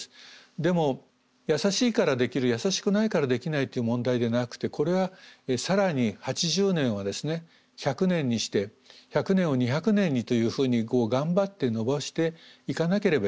でもやさしいからできるやさしくないからできないという問題でなくてこれは更に８０年はですね１００年にして１００年を２００年にというふうに頑張ってのばしていかなければいけない。